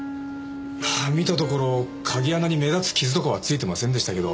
いや見たところ鍵穴に目立つ傷とかはついてませんでしたけど。